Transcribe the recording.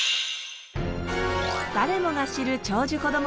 誰もが知る長寿子ども